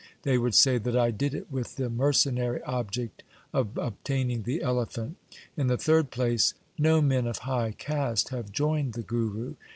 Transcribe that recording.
They would say that I did it with the mercenary object of obtaining the elephant. In the third place, no men of high caste have joined the Guru.